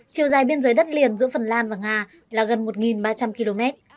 chiều dài biên giới đất liền giữa phần lan và nga là gần một ba trăm linh km